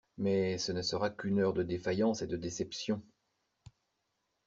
Mais ce ne sera qu'une heure de défaillance et de déception.